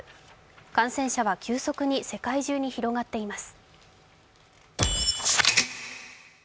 感染者は急速に世界中に広がっています。